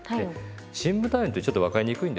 深部体温ってちょっと分かりにくいんですけど